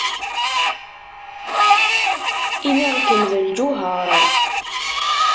Iniɣ-kem d lǧuher.